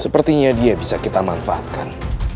sepertinya dia bisa kita manfaatkan